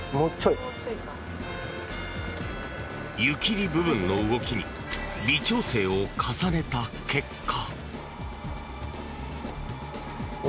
湯切り部分の動きに微調整を重ねた結果。